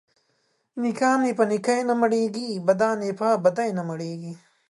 نيکان يې په نيکي نه مړېږي ، بدان يې په بدي نه مړېږي.